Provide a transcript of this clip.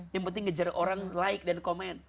yang penting ngejar orang like dan komen